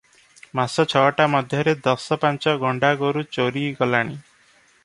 ମାସ ଛଅଟା ମଧ୍ୟରେ ଦଶ ପାଞ୍ଚ ଗଣ୍ଡା ଗୋରୁ ଚୋରି ଗଲାଣି ।